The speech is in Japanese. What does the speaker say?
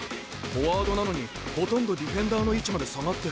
フォワードなのにほとんどディフェンダーの位置まで下がって。